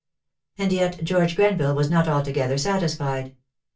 And yet George Grenville was not altogether satisfied.